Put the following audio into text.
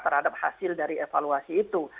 terhadap hasil dari evaluasi itu